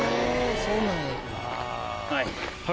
そうなんや。